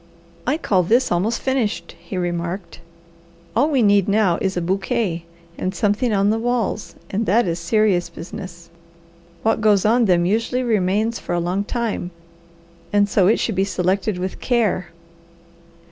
"I call this almost finished," he remarked. "All we need now is a bouquet and something on the walls, and that is serious business. What goes on them usually remains for a long time, and so it should be selected with care.